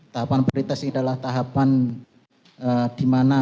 tahapan prioritas ini adalah tahapan di mana